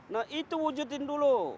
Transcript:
nah itu wujudin dulu